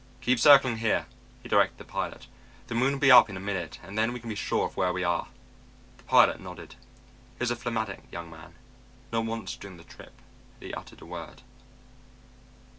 "Keep circling here," he directed the pilot. "The moon'll be up in a minute and then we can be sure of where we are." The pilot nodded. He was a phlegmatic young man. Not once during the trip had he uttered a word.